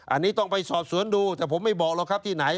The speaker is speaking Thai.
อันนี้ต้องไปสอบสวนดูแต่ผมไม่บอกหรอกครับที่ไหน